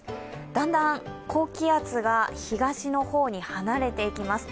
だんだん高気圧が東の方に離れていきます。